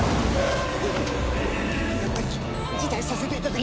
やっぱり辞退させていただきます。